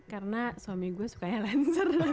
karena suami gue sukanya lancer